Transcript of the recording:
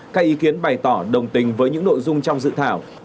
các ý kiến bày tỏ đồng tình với những nội dung trong dự thảo